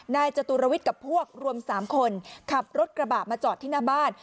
จตุรวิทย์กับพวกรวม๓คนขับรถกระบะมาจอดที่หน้าบ้าน